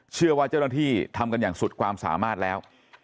เชื่อว่าเจ้าหน้าที่ทำกันอย่างสุดความสามารถแล้ว